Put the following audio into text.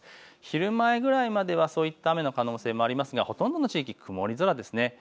昼前まではそういった可能性がありましたがほとんどの地域で曇り空です。